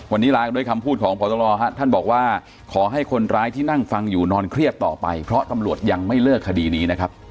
วันนี้ลากันด้วยคำพูดของพตรท่านบอกว่าขอให้คนร้ายที่นั่งฟังอยู่นอนเครียดต่อไปเพราะตำรวจยังไม่เลิกคดีนี้นะครับ